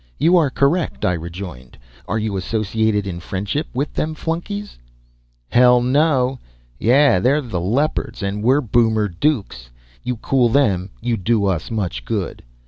"You are 'correct'," I rejoined. "Are you associated in friendship with them flunkies?" "Hell, no. Yeah, they're Leopards and we're Boomer Dukes. You cool them, you do us much good."